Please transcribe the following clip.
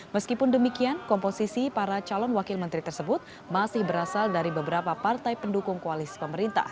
meskipun demikian komposisi para calon wakil menteri tersebut masih berasal dari beberapa partai pendukung koalisi pemerintah